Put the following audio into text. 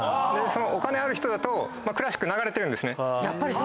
お金ある人だとクラシック流れてるんですね。